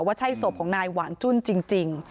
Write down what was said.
ว่าใช่ศพของนายหวานจุ้นจริง